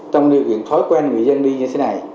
trong điều kiện thói quen người dân đi như thế này